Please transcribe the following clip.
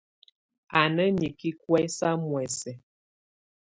Á na niki kuɛsa muɛsɛ.